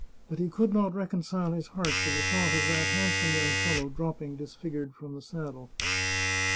But he could not reconcile his heart to the thought of that hand some young fellow dropping disfigured from his saddle.